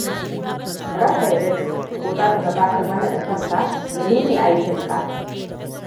Ranka ya daɗe, ko za ka gabatar mana da kanka. Mene ne aikin ka?